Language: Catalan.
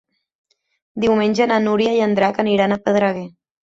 Diumenge na Núria i en Drac aniran a Pedreguer.